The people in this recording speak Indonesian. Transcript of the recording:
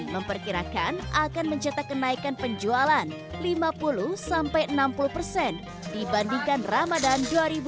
memperkirakan akan mencetak kenaikan penjualan lima puluh sampai enam puluh persen dibandingkan ramadan dua ribu dua puluh